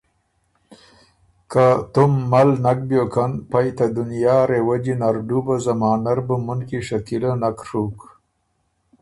که تُوم مل نک بیوکن، پئ ته دنیا رېوجی نر ډُوبه زمانۀ ر بُو مُنکی شکیلۀ نک ڒُوک